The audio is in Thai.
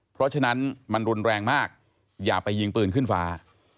เพราะฉะนั้นมันรุนแรงมากอย่าไปยิงปืนขึ้นฟ้า